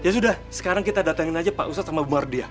ya sudah sekarang kita datangin aja pak ustadz sama bu mardia